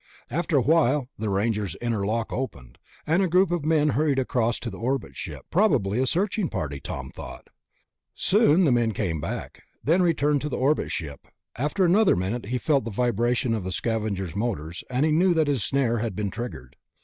After a while the Ranger's inner lock opened, and a group of men hurried across to the orbit ship. Probably a searching party, Tom thought. Soon the men came back, then returned to the orbit ship. After another minute, he felt the vibration of the Scavenger's motors, and he knew that his snare had been triggered.